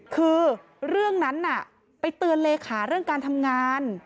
คือเรื่องนั้นไปเตือนเลขาเรื่องการทำงาน